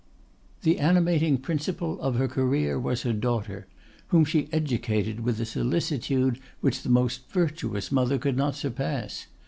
The animating principle of her career was her daughter, whom she educated with a solicitude which the most virtuous mother could not surpass.